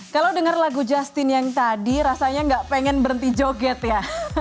kalau dengar lagu justin yang tadi rasanya nggak pengen berhenti joget ya